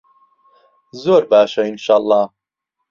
زۆر باشە ئینشەڵا.